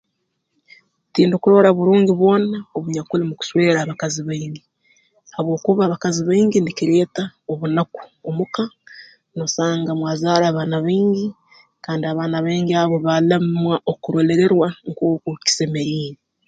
Tindukurora burungi bwona obunyakuli mu kuswera abakazi baingi habwokuba abakazi baingi nikireeta obunaku omuka noosanga mwazaara abaana baingi kandi abaana baingi abo baalemwa okurolererwa nkooku kisemeriire